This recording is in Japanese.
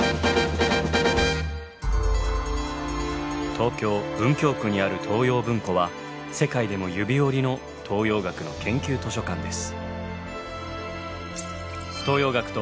東京・文京区にある東洋文庫は世界でも指折りの東洋学の研究図書館です。